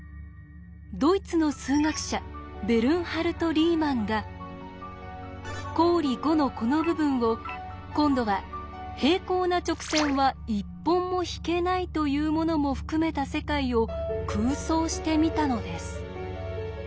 ドイツの数学者ベルンハルト・リーマンが公理５のこの部分を今度は「平行な直線は１本も引けない」というものも含めた世界を空想してみたのです。